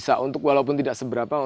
dan mereka bisa menggunakan sampah itu